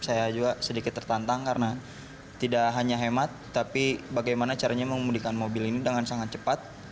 saya juga sedikit tertantang karena tidak hanya hemat tapi bagaimana caranya memudikan mobil ini dengan sangat cepat